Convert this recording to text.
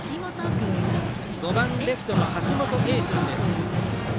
５番レフトの橋本瑛信です。